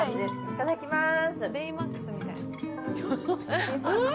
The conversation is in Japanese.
いただきます。